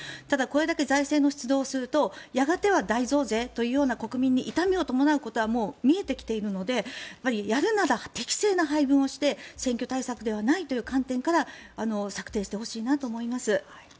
ただ、これだけ財政出動をするとやがては大増税という国民に痛みを伴うことはもう見えてきているのでやるなら適正な配分をして選挙対策ではないという観点から策定してほしいなと思います。